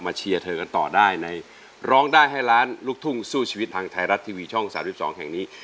เชียร์เธอกันต่อได้ในร้องได้ให้ล้านลูกทุ่งสู้ชีวิตทางไทยรัฐทีวีช่อง๓๒แห่งนี้